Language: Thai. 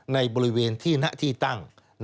ในบริเวณที่ณที่ตั้ง